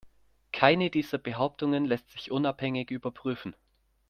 Keine dieser Behauptungen lässt sich unabhängig überprüfen.